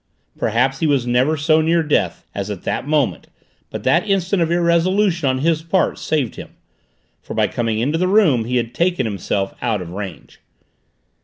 Perhaps he was never so near death as at that moment but that instant of irresolution on his part saved him, for by coming into the room he had taken himself out of range.